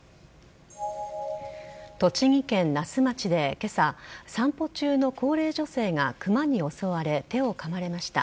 栃木県那須町で今朝散歩中の高齢女性がクマに襲われ手をかまれました。